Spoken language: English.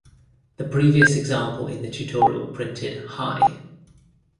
The previous example in the tutorial printed hi!